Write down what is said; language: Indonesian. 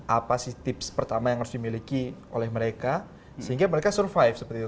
apa sih tips pertama yang harus dimiliki oleh mereka sehingga mereka survive seperti itu